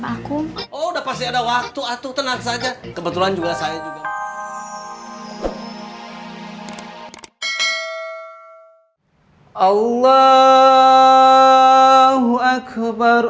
allahu akbar allahu akbar allahu akbar